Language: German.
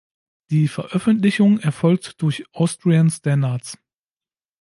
Die Veröffentlichung erfolgt durch Austrian Standards.